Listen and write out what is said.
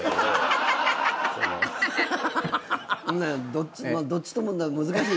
どっちとも難しいです。